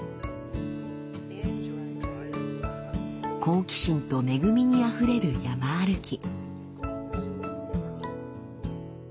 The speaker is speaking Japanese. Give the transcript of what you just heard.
好奇心と恵みにあふれる山歩き。